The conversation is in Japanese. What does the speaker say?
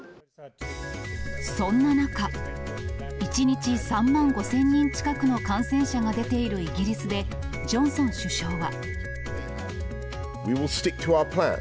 そんな中、１日３万５０００人近くの感染者が出ているイギリスで、ジョンソン首相は。